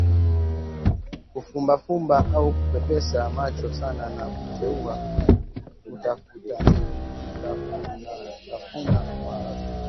Kufumbafumba au kupepesa macho sana na kucheua kutafunatafuna kwa haraka